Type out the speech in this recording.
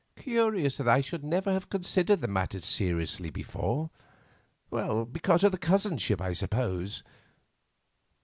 Curious that I should never have considered the matter seriously before—because of the cousinship, I suppose.